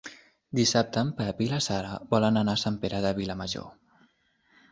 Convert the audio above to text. Dissabte en Pep i na Sara volen anar a Sant Pere de Vilamajor.